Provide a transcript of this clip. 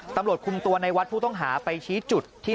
ตำรวจคุมตัวในวัดผู้ต้องหาไปชี้จุดที่